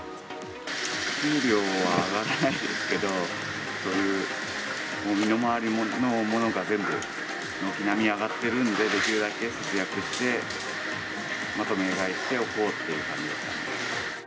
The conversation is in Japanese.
給料は上がらないですけど、そういう身の回りのものが全部、軒並み上がってるんで、できるだけ節約して、まとめ買いしておこうっていう感じですかね。